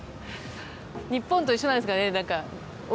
日本と一緒なんですかね。